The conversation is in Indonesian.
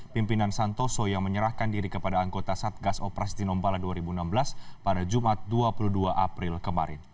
pimpinan santoso yang menyerahkan diri kepada anggota satgas operasi tinombala dua ribu enam belas pada jumat dua puluh dua april kemarin